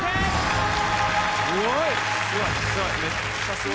すごい！